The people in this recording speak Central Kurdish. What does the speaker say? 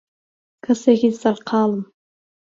کەسێکی سەرقاڵم.